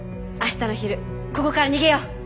あしたの昼ここから逃げよう。